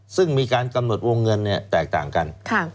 ซึ่งมีการกำหนดวงเงินแตกต่างกัน